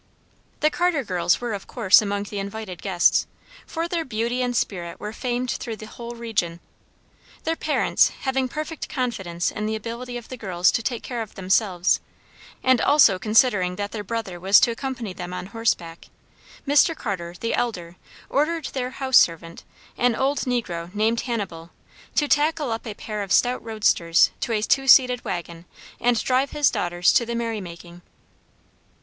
The Carter girls were of course among the invited guests, for their beauty and spirit were famed through the whole region. Their parents having perfect confidence in the ability of the girls to take care of themselves, and also considering that their brother was to accompany them on horseback, Mr. Carter, the elder, ordered their house servant, an old negro named Hannibal, to tackle up a pair of stout roadsters to a two seated wagon and drive his daughters to the merry making.